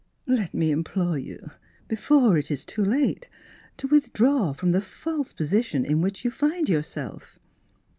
" Let me implore you, before it Is too late, to withdraw from the false position in which you find yourself.